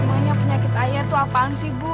namanya penyakit ayah itu apaan sih bu